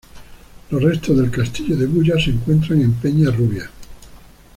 Los restos del castillo de Bullas se encuentran en Peña Rubia.